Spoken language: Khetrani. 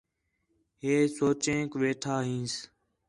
ہے سوچینک ویٹھا ہینس